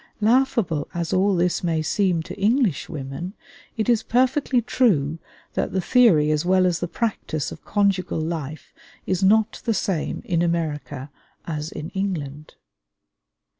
Laughable as all this may seem to English women, it is perfectly true that the theory as well as the practice of conjugal life is not the same in America as in England.